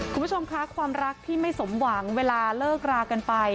คุณผู้ชมคะความรักที่ไม่สมหวังเวลาเลิกรากันไป